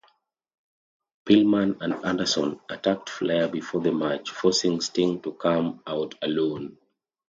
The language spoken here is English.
Pillman and Anderson attacked Flair before the match, forcing Sting to come out alone.